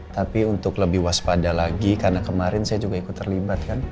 tapi untuk lebih waspada lagi karena kemarin saya juga ikut terlibat kan